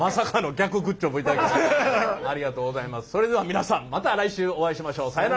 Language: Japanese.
それでは皆さんまた来週お会いしましょうさよなら。